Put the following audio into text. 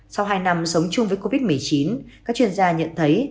sau hai năm sống chung với covid một mươi chín các chuyên gia nhận thấy